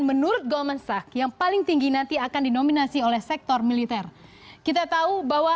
menurut golman sak yang paling tinggi nanti akan dinominasi oleh sektor militer kita tahu bahwa